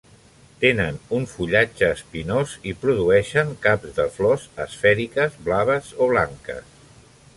Tenen un fullatge espinós i produeixen caps de flors esfèriques blaves o blanques.